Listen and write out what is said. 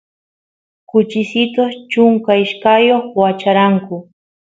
kuchisitus chunka ishkayoq wacharanku